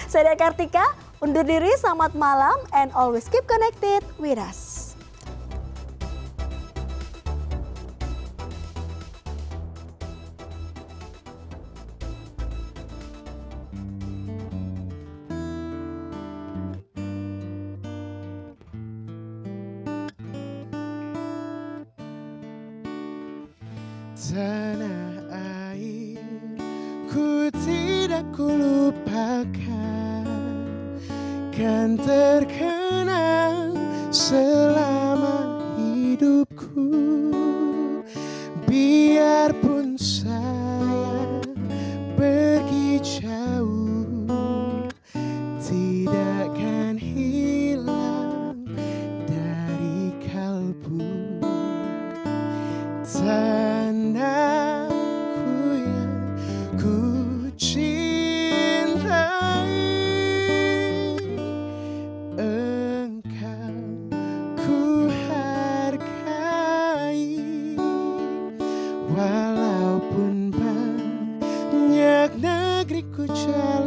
saya dekartika undur diri selamat malam and always keep connected with us